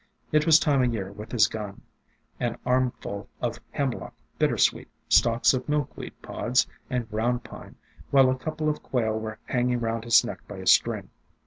It was Time o' Year with his gun, an arm ful of Hemlock, Bittersweet, stalks of Milkweed pods and Ground Pine, while a couple of quail were hanging round his neck by a string.